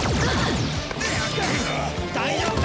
大丈夫か？